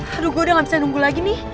aduh gue udah gak bisa nunggu lagi nih